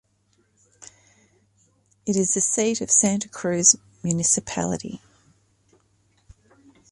It is the seat of Santa Cruz municipality.